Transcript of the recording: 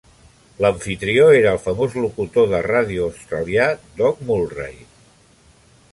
L'amfitrió era el famós locutor de ràdio australià Doug Mulray.